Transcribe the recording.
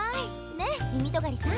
ねっみみとがりさん。